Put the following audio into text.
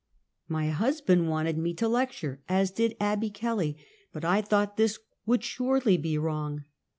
My husband wanted me to lecture as did Ab by Kelley, but I thought this would surely be wrong.